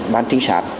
ban trinh sát